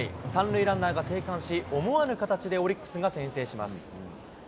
３塁ランナーが生還し、思わぬ形でオリックスが先制します。